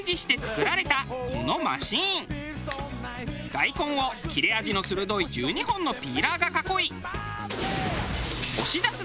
大根を切れ味の鋭い１２本のピーラーが囲い。